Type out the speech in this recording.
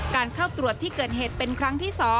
เข้าตรวจที่เกิดเหตุเป็นครั้งที่๒